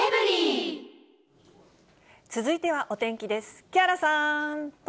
続いてはお天気です。